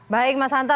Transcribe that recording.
baik mas hanta